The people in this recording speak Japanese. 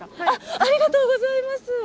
ありがとうございます。